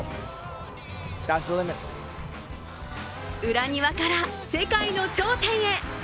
裏庭から世界の頂点へ。